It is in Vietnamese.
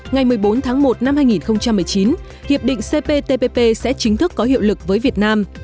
ngày một mươi bốn tháng một năm hai nghìn một mươi chín hiệp định cptpp sẽ chính thức có hiệu lực với việt nam